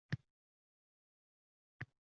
Ya’ni ikki guruhga bir xil miqdorda mablag’ berilgan.